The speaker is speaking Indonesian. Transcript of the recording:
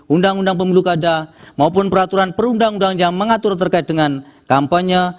undang undang pemilu kada maupun peraturan perundang undang yang mengatur terkait dengan kampanye